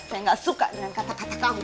saya gak suka dengan kata kata kamu